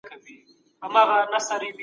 د ښځي طوطي له پنجرې څخه البوتی.